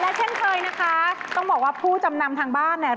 และเช่นเคยนะคะต้องบอกว่าผู้จำนำทางบ้านเนี่ย